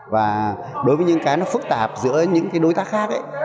và đối với những cái nó phức tạp giữa những cái đối tác khác ấy